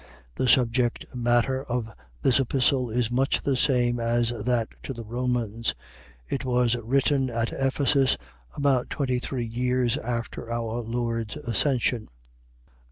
The subject matter of this Epistle is much the same as that to the Romans. It was written at Ephesus, about twenty three years after our Lord's Ascension.